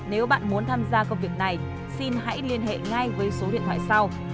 nếu bạn muốn tham gia công việc này xin hãy liên hệ kênh của shopee và đăng ký kênh của shopee để nhận thông tin nhất